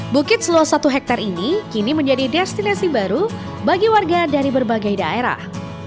bukit seluas satu hektare ini kini menjadi destinasi baru bagi warga dari berbagai daerah